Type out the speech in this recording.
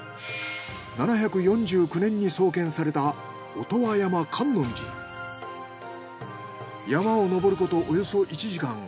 ７４９年に創建された山を登ることおよそ１時間。